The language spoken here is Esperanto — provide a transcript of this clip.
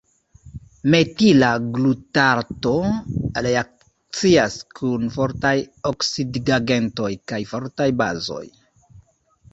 Metila glutarato reakcias kun fortaj oksidigagentoj kaj fortaj bazoj.